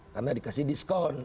karena dikasih diskon